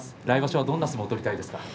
来場所はどんな相撲を取りたいですか。